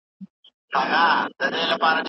څنګ ته چي زه درغــلـم